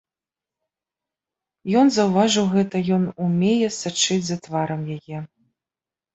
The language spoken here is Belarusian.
Ён заўважыў гэта, ён умее сачыць за тварам яе.